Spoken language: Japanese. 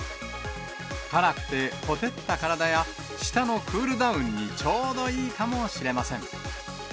辛くてほてった体や、舌のクールダウンにちょうどいいかもしれません。